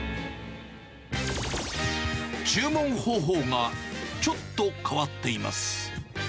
注文方法が、ちょっと変わっています。